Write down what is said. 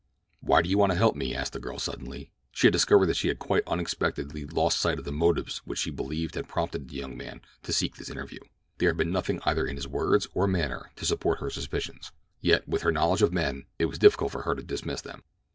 "Why do you want to help me?" asked the girl suddenly. She had discovered that she had quite unexpectedly lost sight of the motives which she believed had prompted the young man to seek this interview. There had been nothing either in his words or manner to support her suspicions; yet, with her knowledge of men, it was difficult for her to dismiss them.